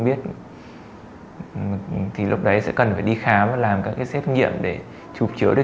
biết thì lúc đấy sẽ cần phải đi khám và làm các cái xét nghiệm để chụp chứa được